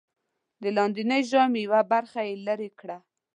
د لاندېنۍ ژامې یوه برخه یې لرې کړه.